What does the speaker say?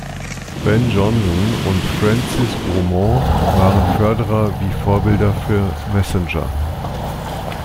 Ben Jonson und Francis Beaumont waren Förderer wie Vorbilder für Massinger.